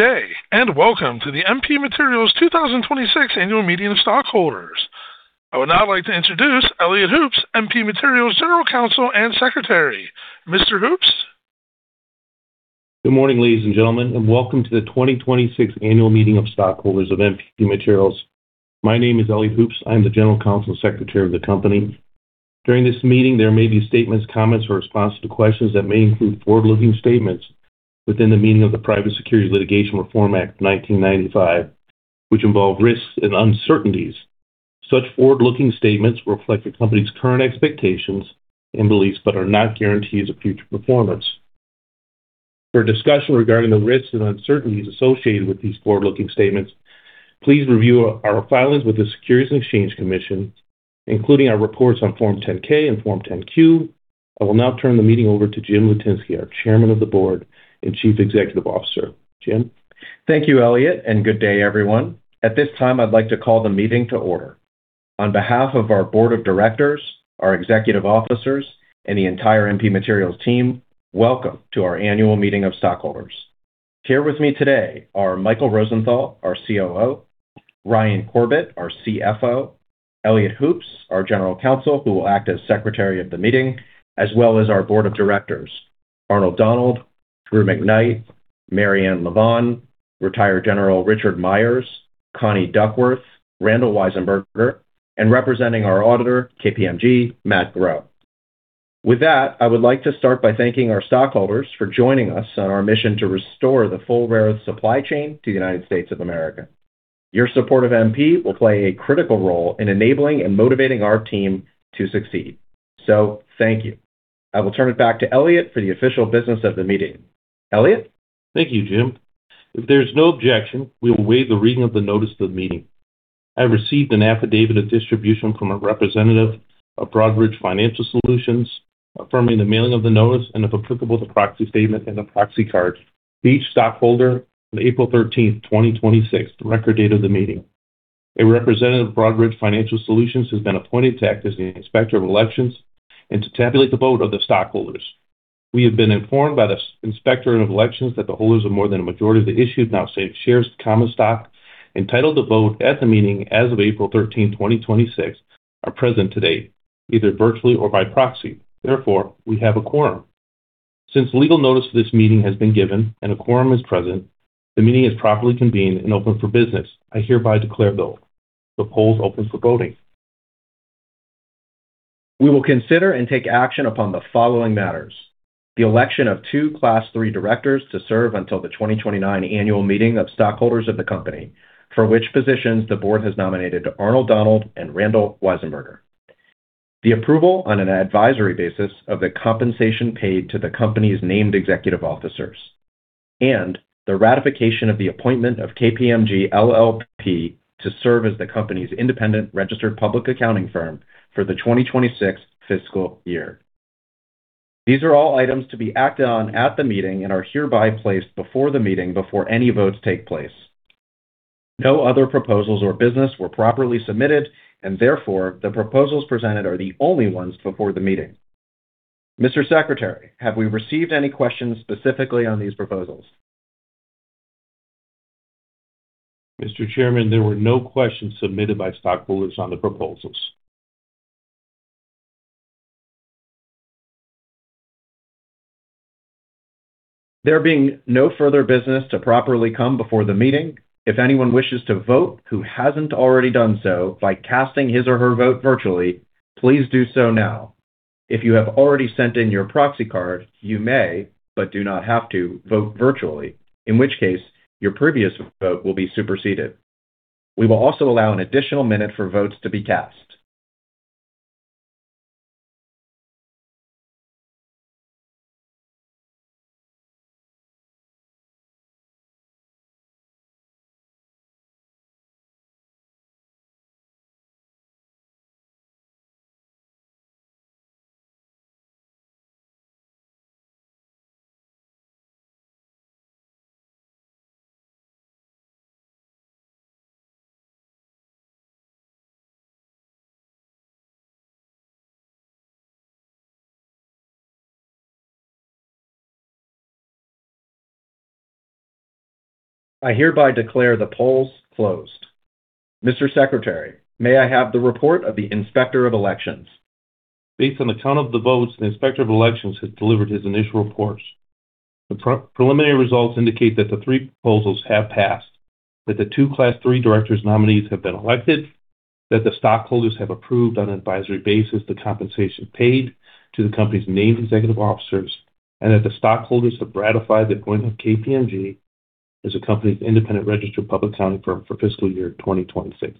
Good day, and welcome to the MP Materials 2026 annual meeting of stockholders. I would now like to introduce Elliot Hoops, MP Materials General Counsel and Secretary. Mr. Hoops? Good morning, ladies and gentlemen, and welcome to the 2026 Annual Meeting of Stockholders of MP Materials. My name is Elliot Hoops. I'm the General Counsel and Secretary of the company. During this meeting, there may be statements, comments, or responses to questions that may include forward-looking statements within the meaning of the Private Securities Litigation Reform Act of 1995, which involve risks and uncertainties. Such forward-looking statements reflect the company's current expectations and beliefs but are not guarantees of future performance. For a discussion regarding the risks and uncertainties associated with these forward-looking statements, please review our filings with the Securities and Exchange Commission, including our reports on Form 10-K and Form 10-Q. I will now turn the meeting over to James Litinsky, our Chairman of the Board and Chief Executive Officer. Jim? Thank you, Elliot, and good day, everyone. At this time, I'd like to call the meeting to order. On behalf of our Board of Directors, our executive officers, and the entire MP Materials team, welcome to our annual meeting of stockholders. Here with me today are Michael Rosenthal, our COO, Ryan Corbett, our CFO, Elliot Hoops, our General Counsel, who will act as Secretary of the meeting, as well as our Board of Directors, Arnold Donald, Drew McKnight, Maryanne Lavan, Retired General Richard Myers, Connie Duckworth, Randall Weisenburger, and representing our auditor, KPMG, Matt Groh. I would like to start by thanking our stockholders for joining us on our mission to restore the full rare earths supply chain to the United States of America. Thank you. I will turn it back to Elliot for the official business of the meeting. Elliot? Thank you, Jim Litinsky. If there's no objection, we will waive the reading of the notice of the meeting. I received an affidavit of distribution from a representative of Broadridge Financial Solutions affirming the mailing of the notice and, if applicable, the proxy statement and the proxy card to each stockholder on April 13th, 2026, the record date of the meeting. A representative of Broadridge Financial Solutions has been appointed to act as the inspector of elections and to tabulate the vote of the stockholders. We have been informed by the inspector of elections that the holders of more than a majority of the issued and outstanding shares of common stock entitled to vote at the meeting as of April 13th, 2026, are present today, either virtually or by proxy. Therefore, we have a quorum. Since legal notice of this meeting has been given and a quorum is present, the meeting is properly convened and open for business. I hereby declare the polls open for voting. We will consider and take action upon the following matters: the election of two Class III directors to serve until the 2029 annual meeting of stockholders of the company, for which positions the board has nominated Arnold Donald and Randall Weisenburger. The approval on an advisory basis of the compensation paid to the company's named executive officers. The ratification of the appointment of KPMG LLP to serve as the company's independent registered public accounting firm for the 2026 fiscal year. These are all items to be acted on at the meeting and are hereby placed before the meeting before any votes take place. No other proposals or business were properly submitted, and therefore, the proposals presented are the only ones before the meeting. Mr. Secretary, have we received any questions specifically on these proposals? Mr. Chairman, there were no questions submitted by stockholders on the proposals. There being no further business to properly come before the meeting, if anyone wishes to vote who hasn't already done so by casting his or her vote virtually, please do so now. If you have already sent in your proxy card, you may, but do not have to, vote virtually, in which case your previous vote will be superseded. We will also allow an additional minute for votes to be cast. I hereby declare the polls closed. Mr. Secretary, may I have the report of the inspector of elections? Based on the count of the votes, the inspector of elections has delivered his initial report. The preliminary results indicate that the three proposals have passed, that the two Class III directors nominees have been elected, that the stockholders have approved on an advisory basis the compensation paid to the company's named executive officers, and that the stockholders have ratified the appointment of KPMG as the company's independent registered public accounting firm for fiscal year 2026.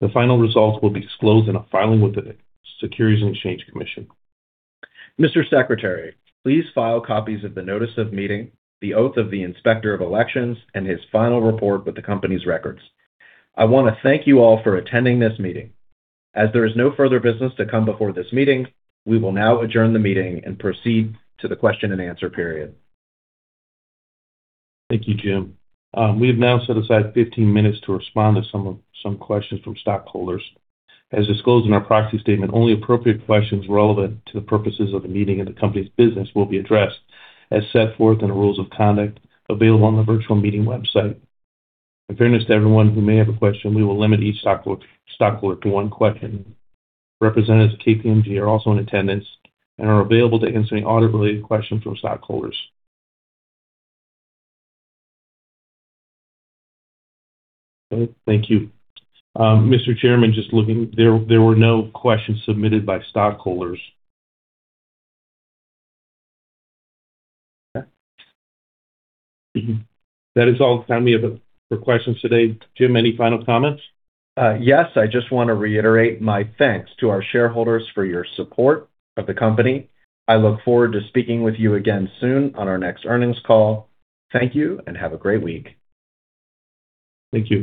The final results will be disclosed in a filing with the Securities and Exchange Commission. Mr. Secretary, please file copies of the notice of meeting, the oath of the inspector of elections, and his final report with the company's records. I want to thank you all for attending this meeting. As there is no further business to come before this meeting, we will now adjourn the meeting and proceed to the question and answer period. Thank you, Jim. We have now set aside 15 minutes to respond to some questions from stockholders. As disclosed in our proxy statement, only appropriate questions relevant to the purposes of the meeting and the company's business will be addressed as set forth in the rules of conduct available on the virtual meeting website. In fairness to everyone who may have a question, we will limit each stockholder to one question. Representatives of KPMG are also in attendance and are available to answer any audit-related questions from stockholders. Okay, thank you. Mr. Chairman, just looking, there were no questions submitted by stockholders. Okay. That is all the time we have for questions today. Jim, any final comments? Yes, I just want to reiterate my thanks to our shareholders for your support of the company. I look forward to speaking with you again soon on our next earnings call. Thank you, and have a great week. Thank you